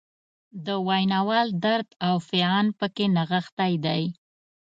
د ویناوال درد او فعان پکې نغښتی دی.